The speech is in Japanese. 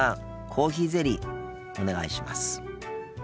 コーヒーゼリーお願いします。